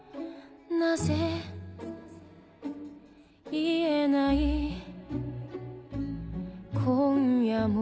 「言えない今夜も」